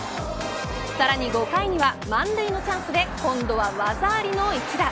さらに５回には満塁のチャンスで今度は技ありの一打。